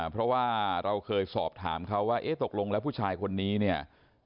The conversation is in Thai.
เพราะว่าเราเคยสอบถามเขาว่าเอ๊ะตกลงแล้วผู้ชายคนนี้เนี่ย